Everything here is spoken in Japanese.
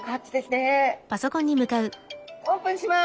オープンします。